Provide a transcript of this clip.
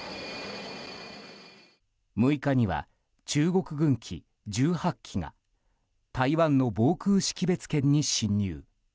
６日には、中国軍機１８機が台湾の防空識別圏に侵入。